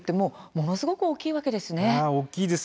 ものすごく大きいですね。